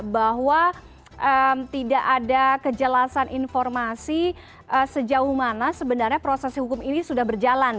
bahwa tidak ada kejelasan informasi sejauh mana sebenarnya proses hukum ini sudah berjalan